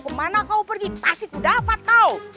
dimana kau pergi pasti ku dapat kau